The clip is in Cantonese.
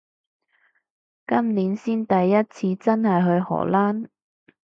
今年先第一次真係去荷蘭